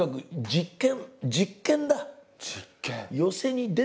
実験。